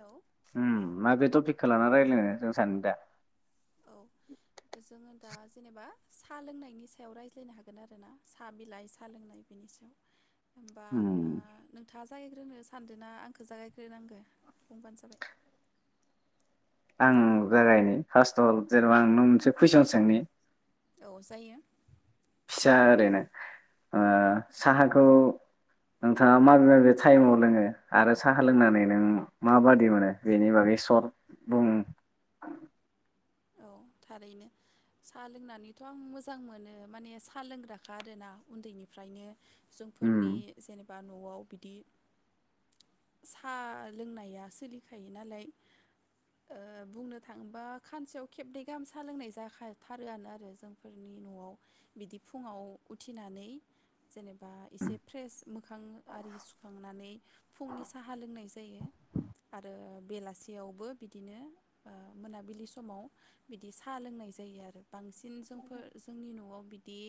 औ ओम माबे टपिकखौ लानानै रायज्लायनो जों सानैजो दा? औ जोङो दा जेनेबा साहा लोंनायनि सायाव रायज्लायनो हागोन आरो ना। साहा बिलाइ साहा लोंनाय बेनि सायाव। होमबा उम ओ नोंथाङा जे जागायग्रोनो सानदों ना आंखो जागायग्रो नांगो बुंबानो जाबाय। आं जागायनि फार्स्टाव जेनेबा आं नों मोनसे कुइसन सोंनि। औ जायो। फिसा ओरैनो ओ औ साहाखौ नोंथाङा माबे माबे टाइमाव लोङो आरो साहा लोंनानै नों माबादि मोनो बेनि बागै सथ बुं। औ थारैनो साहा लोंनानैथ आं मोजां मोनो माने साहा लोंग्राखा आरोना उन्दैनिफ्रायनो। उम जोंफोरनि जेने नयाव बिदि सा लोंनाया सोलिखायो नालाय बुंनो थाङोबा खानसेयाव खेबनै गाहाम सा लोंनाय जाखाथारो आरो जोंफोरनि नयाव बिदि फुङाव उथिनानै जेनेबा एसे फ्रेस मोखां आरि सुखांनानै फुंनि साहा लोंनाय जायो आरो बेलासियावबो बिदिनो ओ मोनाबिलि समाव बिदि साहा लोंनाय जायो आरो। बांसिन जोंफोर जोंनि नयाव बिदि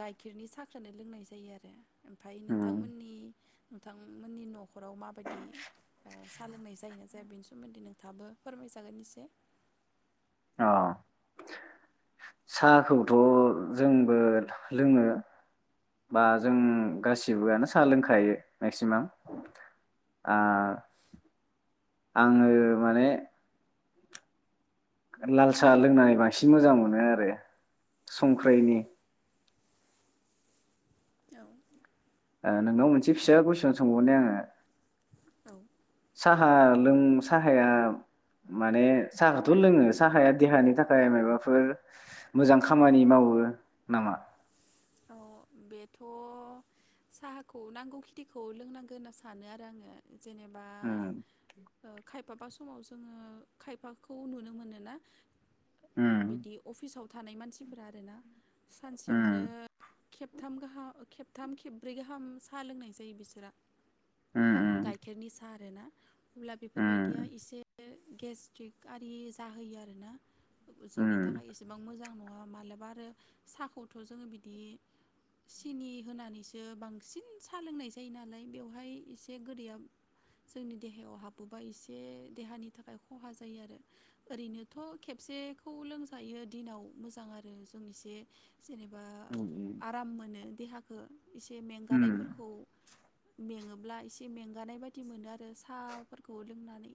गाइखेरनि सा लोंनाय जायो आरो। ओमफ्राय उम नोंथांमोननि नोंथांमोननि न नखराव मा बायदि सा लोंनाय जायो ना बेनि सोमोन्दै नों थाबो फोरमायजागोन एसे। अ साहाखौथ जोंबो लोङो बा जों गासिबोआनो साहा लोंखायो मेक्सिमाम आङो माने लाल साहा लोंनानै बांसिन मोजां मोनो आरो संख्रैनि। औ ओ नोंनाव मोनसे फिसा कुइसन सोंबावनि आङो। साहा लों साहाया माने साहाखौथ लोङो साहाया देहानि थाखाय माबाफोर मोजां खामानि मावो नामा? अ बेथ साहाखौ नांगौ खिनिखौ लोंनांगौ होनना सानो आरो आङो। जेनेबा ओ ओ खायफाबा समाव जोङो खायफाखौ नुनो मोनो ना उम बिदि अफिसाव थानाय मानसिफोरा आरो ना सानसेयावनो उम खेबथाम गाहाम खेबथाम खेब्रै गाहाम साहा लोंनाय जायो बिसोरा। उम गायखेरनि सा [unintelligible] अब्ला बेफोरबायदिया उम इसे गेस्ट्रिक आरि जाहोयो आरो ना। जोंनि उम थाखाय एसेबां मोजां न माबा आरो साहाखौथ जों बि बिदि सिनि होनानैसो बांसिन साहा लोंनाय जायो नालाय बेवहाय एसे गोदैया जोंनि देहायाव हाबोबा एसे देहानि थाखाय खहा जायो आरो ओरैनोथ' खेबसेखौ लोंजायो दिनाव मोजां आरो जों एसे जेनेबा उम आराम मोनो देहा हो एसे मेंगानायफोरखौ मेङोब्ला एसे मेंगानाय बायदि मोनो आरो साहाफोरखौ लोंनानै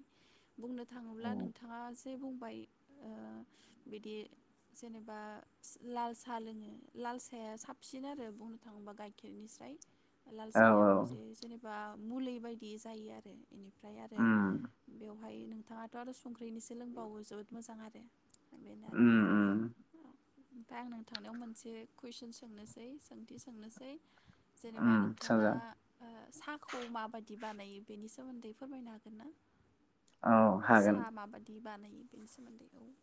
बुंनो थाङोब्ला उम नोंथाङा जे बुंबाय ओ बिदि जेनेबा लाल साहा लोङो लाल सा फिसाया साबसिन आरो बुंनो थाङोब्ला गाइखेरनिफ्राय लाल औ साहाया मोनसे जेनेबा मुलि बायदि जायो आरो बेनिफ्राय आरो उम बेयाव ओमफाय नोंथाङाथ' आरो संख्रिनिसो लोंबावो जोबोद मोजां आरो बेनो आरो उम ओमफ्राय आं नों थांनायाव मोनसे कुइसन सोंनोसै सोंथि सोंनोसै जेनेबा उम नोंथाङा साजा साहाखौ माबायदि बानायो बेनि सोमोन्दै फोरमायनो हागोन ना औ हागोन साहा माबायदि बानायो [unintelligible]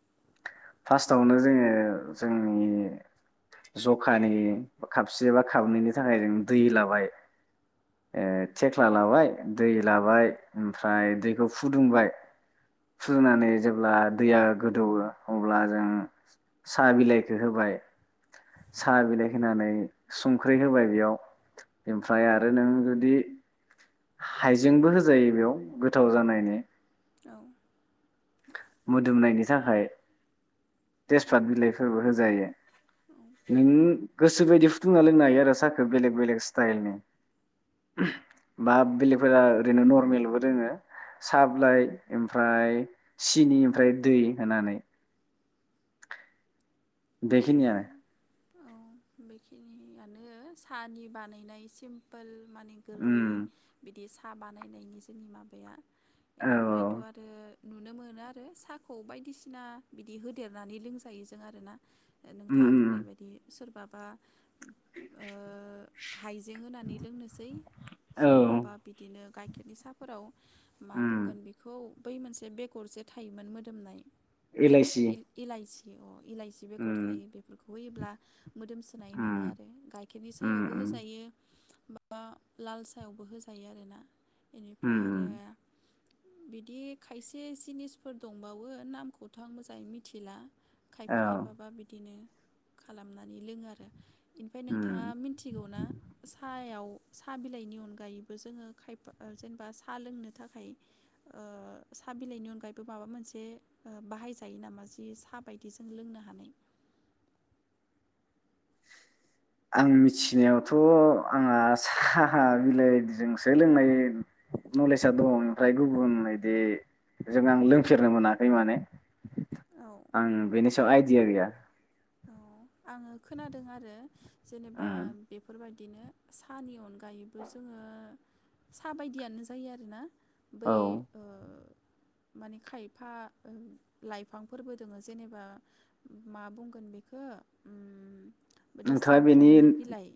फार्स्टआवनो जोङो जोंनि जखानि खपसे बा खाबनैनि थाखाय जों दै लाबाय थेख्ला लाबाय दै लाबाय ओमफ्राय दैखौ फुदुंबाय फुदुंनानै जेब्ला दैया गोदौवो अब्ला जों साहा बिलाइखौ होबाय साहा बिलाइ होनानै संख्रि होबाय बेयाव ओमफ्राय आरो नों जुदि हाइजेंबो होजायो बेयाव गोथाव जानायनि औ मोदोमनायनि थाखाय तेजपात बिलाइफोरबो होजायो औ नों गोसो बायदि फुदुंना लोंनो हायो आरो साहाखौ बेलेग बेलेग स्टाइलनि बा बेलेगफोरा ओरैनो नरमेलबो लोङो साह बिलाइ ओमफ्राय सिनि ओमफ्राय दै होनानै औ बेखिनिआनो औ बेखिनियानो साहानि बानायनाय सिम्पोल माने गोरलै उम बिदि सा साहा बानायनायनि जोंनि माबाया औ बेनिफ्रायथ' आरो नुनो मोनो आरो साहाखौ बायदिसिना बिदि होदेरनानै लोंजायो जों आरोना उम नोंथाङा बुंनाय उम बायदि सोरबा बा हाइजें होनानै लोंनोसै औ सोरबाबा बिदिनो गाइखेर नि साफोराव मा उम बुंगोन बेखौ बै मोनसे बेगर जे थायोमोन मोदोमनाय एलाइसि इ इलायचि अ इलाइसि बेगर उम थायो बेफोरखौ होयोब्ला मोदोमसोनाय मोनो उम आरो गाइखेरनि उम सायावबो उम होजायो बा लाल साहायावबो होजायो आरो ना उम बेनिफ्राय आरो उम बिदि खायसे जिनिसफोर दंबावो नामखौथ' आं मोजाङै मिथिला खायफा औ खायफाबा बिदिनो खालामनानै लोङो आरो इनिफाय नोंथाङा उम मिथिगौ ना सायाव साहा बिलाइनि अनगायैबो जोङो खाफा जेनेबा सा लोंनो थाखाय साहा बिलाइनि अनगायैबो माबा मोनसे बाहाय जायो नामा जि सा बायदि जों लोंनो हायो [inaudible] आं मिथिनायावथ' आंहा साहा बिलाइजोंसो लोंनाय नलेजा दङ ओमफ्राय गुबुन बिदिजों आं लोंफेरनो मोनाखै माने औ आं बेनि सायाव आइडिया गैया औ आङो खोनादों आरो जेनेबा उम बेफोरबायदि बिदिनो साहानि अनगा गायोबो जोङो साहा बायदियानो जायो आरोना बै औ ओ माने खायफा लाइफांफोरबो दोङो जेनेबा मा बुंगोन होनगोन बेखौ बिदि नोंथाङा बेनि सेमफ्रोमनि बिलाइ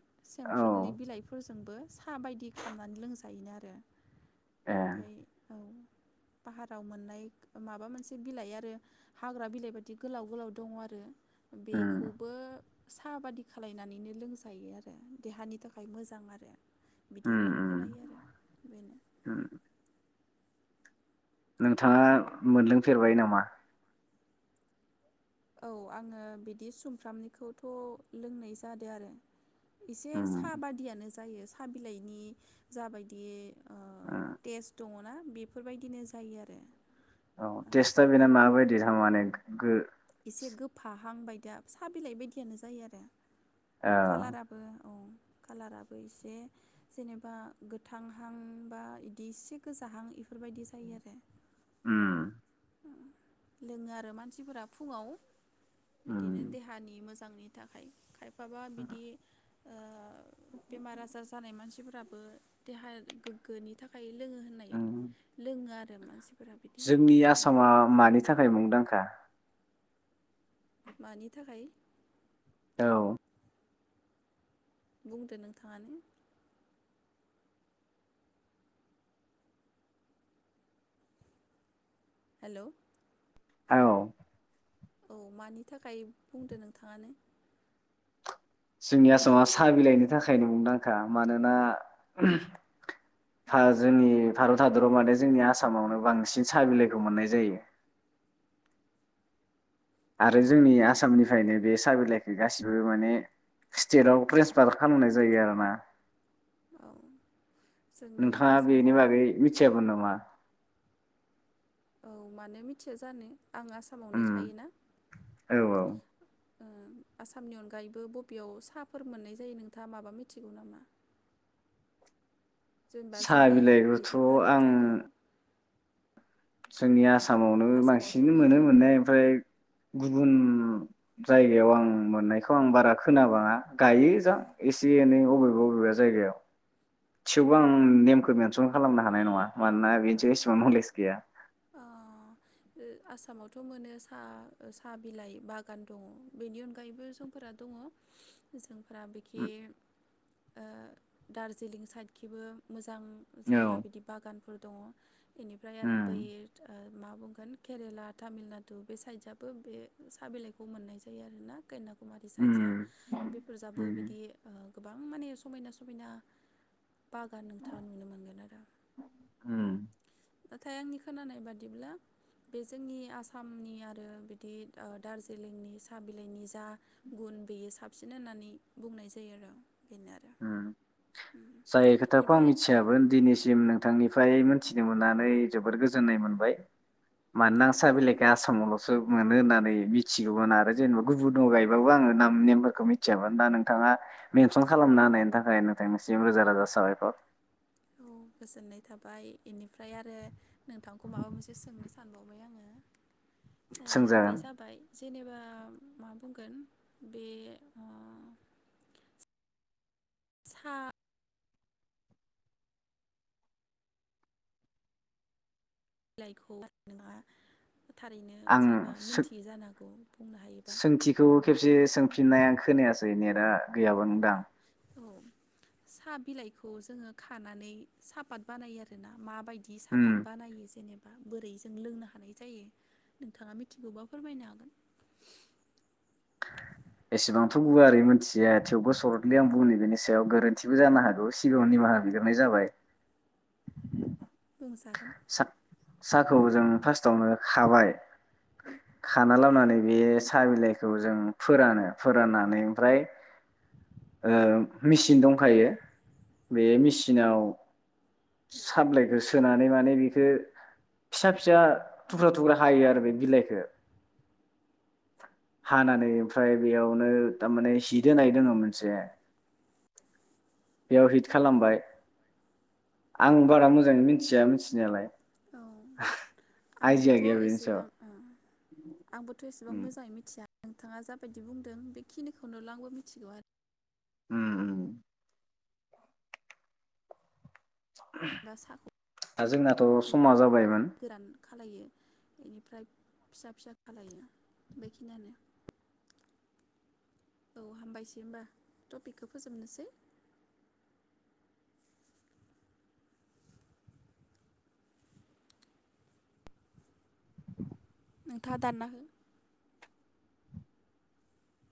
औ सेमफ्रोमनि बिलाइफोरजों जोंबो साहा बायदि खालामनानै लोंजायोनो आरो ए ओमफ्राय औ पाहाराव मोननाय माबा मोनसे बिलाइ आरो हाग्रा बिलाइ बायदि गोलाव गोलाव दङ आरो उम बेखौबो साहा बादि खालायनानैनो लोंजायो आरो देहानि थाखाय मोजां आरो बिदि उम होननानै उम खोनायो आरो बेनो उम नोंथाङा मोनलोंफेरबाय नामा औ आङो बिदि सुमफ्रामनिखौथ' लोंनाय जादों आरो एसे उम साहा बादियानो जायो जायो साहा बिलाइनि जाबायदि औ उम टेस्ट दङना बेफोरबायदिनो जायो आरो औ टेस्टआ ओमफ्राय बेना माबायदि थारमाने गो एसे गोफाहां बायदिया फिसा बिलाइ बायदियानो जायो आरो औ कालाराबो औ कालाराबो एसे जेनेबा गोथांहां बा बिदि इसे गोजाहां इफोरबायदि जायो आरो उम लोङो आरो मानसिफोरा फुङाव उम बिदिनो देहानि मोजां मोजांनि थाखाय खायफा माबा बिदि ओ बेमार आजार जानाय मानसिफोराबो देहा गोग्गोनि थाखाय लोङो होननाय उम लोङो आरो मानसिफोरा बिदि जोंनि आसामा मानि थाखाय मुंदांखा मानि थाखाय औ बुंदो नोंथाङानो हेलौ औ औ मानि थाखाय बुंदो नोंथाङानो जोंनि आसामा साहा बिलाइनि थाखायनो मुंदांखा मानोना जोंनि भारत हादराव माने जोंनि आसामावनो बांसिन साहा बिलाइखौ मोननाय जायो आरो औ जोंनि आसामनि ओखायनो बे सा बिलाइखौ गासिबो माने स्टेटाव ट्रेन्सफार खालामनाय जायो आरो ना औ जोंनि नोंथाङा बेनि आसामाव बागै मिथियामोन नामा मा औ मानो मिथिया जानो आं आसामावनो उम थायो ना औ औ ओ आसामनि अनगायैबो बबेयाव साहफोर मोननाय जायो नोंथाङा माबा मिथिगौ नामा जेनेबा साहा जोंनि बिलाइखौथ' बिदि भारत आं जायगायाव जोंनि आस सामावनो बांसिनैनो मोनो मोननाय ओमफ्राय गुबुन जायगायाव आं मोननायखौ आं बारा खोनाबाङा गायो जां एसे एनै अबेबा बबेबा जायगायाव सिबां नेमखौ बे सन खालामनो हानाय नङा मानोना औ बिदि इसेबां नलेस गैया। अ आसामावथ मोनो सा साहा बिलाइ बागान दङ। बेनि अनगायैबो जोंफोरा दङ जों फोरा बेखि उम ओ दार्जिलिं साइडखिबो मोजां मोजां औ जेनेबा बिदि बागानफोर दङ बेनिफ्राय आरो बै उम ओ मा बुंगोन केरेला तामिलनाडु बे साइडजाबो बे साहा बिलाइखौ मोननाय जायो आरो ना। कन्याकुमारि साइड जा उम बेफोर जाबो उम बिदि ओ गोबां माने समायना समायना बागान नोंथाङा नुनो मोनगोन आरो। उम नाथाय आंनि खोनानाय बादिब्ला बे जोंनि आसामनि आरो बिदि दार्जिलिंनि साहा बिलाइनि जा गुन बेयो साबसिन होननानै बुंनाय जायो आरो। बेनो आरो उम उम जाय खोथाखौ आं ओमफ्राय औ मिथियामोन दिनैसिम नोंथांनि फ्राय मिथिनो मोननानै जोबोद गोजोननाय मोनबाय। मानोना आं साह बिलाइखौ आसामावलसो मोनो होननानै मिथिगौमोन आरो जेनबा गुबुनाव गायबाबो नाम नेमफोरखो मिथियामोन दा नोंथाङा मेनसन खालामना होनायनि थाखाय नोंथांनिसिम रोजा रोजा साबायखर। औ गोजोननाय थाबाय। बेनिफ्राय आरो नोंथांखौ माबा मोनसे सोंनो सानबावबाय आङो। ओ बे सोंजागोन जाबाय जेनेबा मा बुंगोन बे ओ सा बिलाइखौ नङा थारैनो आं जेनेबा मोनथियै जानांगौ। सोंथिखौ खेबसे सों फिननायानो खोनायासै नेदा गैयामोनदां औ साहा बिलाइखौ जोङो खानानै साहापत बानायो आरो ना। मा बायदि उम सापात बानायो जेनेबा बोरै जों लोंनो हानाय जायो। नोंथाङा मिथियोबा फोरमायनो हागोन। एसेबांथ गुवारै मिथिया थेवबो सर्टलि आं बुंनि बेनि सायाव गोरोन्थिबो जानो हागौ सिगाङां निमाहा बिगारनाय जाबाय। बुंजागोन। सा साहाखौ जों फार्स्टावनो खाबाय। खाना लबनानै बे साहा बिलाइखौ जों फोरानो फोराननानै ओमफ्राय मेसिन दंखायो बे मेसिनाव साहा बिलाइखौ स सोनानै माने बेखौ फिसा फिसा थुख्रा थुख्रा हायो आरो बे बिलाइखो हानानै ओमफ्राय बेयावनो थारमाने जि दोनाय दङ मोनसे बेयाव हिट खालामबाय आं बारा मोजाङै मिथिया मिथिनायालाय। औ आइडिया आंबोथ गैया बेनि एसेबां सायाव आंबोथ एसेबां उम मोजाङै मिथिया। नोंथाङा जाबायदि बुंदों बेखिनिखौनोल आंबो मिथिगौ आरो। ओम [unintelligible] दा जोंनाथ' समा जाबाय गोरान खालायो बेनिफ्राय फिसा फिसा खालायो बेखिनियानो औ हामबायसै होनोमबा टपिकखौ फोजोबनोसै [unintelligible] नोंथाङा दानना हो